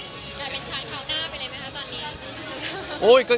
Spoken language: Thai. แต่เป็นชายข้างหน้าไปเลยมั้ยครับตอนนี้